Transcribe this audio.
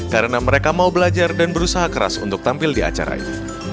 karena mereka mau belajar dan berusaha keras untuk tampil di acaranya